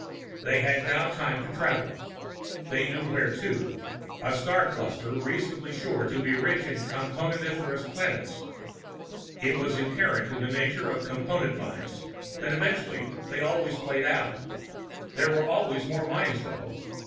They had now time to travel, they knew where to a star cluster reasonably sure to be rich in Componentiferous planets. It was inherent in the nature of Component mines that eventually they always played out. There were always more mines, though.